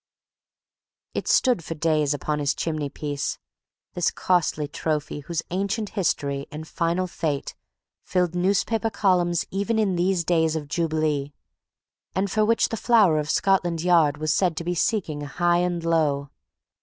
It stood for days upon his chimney piece, this costly trophy whose ancient history and final fate filled newspaper columns even in these days of Jubilee, and for which the flower of Scotland Yard was said to be seeking high and low.